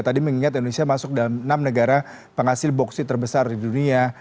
tadi mengingat indonesia masuk dalam enam negara penghasil boksit terbesar di dunia